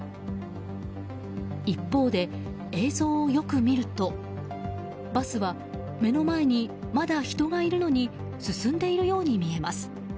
一方で、映像をよく見るとバスは目の前にまだ人がいるのに進んでいるように見えます。